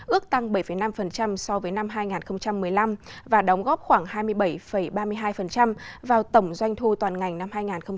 ước tăng bảy năm so với năm hai nghìn một mươi năm và đóng góp khoảng hai mươi bảy ba mươi hai vào tổng doanh thu toàn ngành năm hai nghìn một mươi tám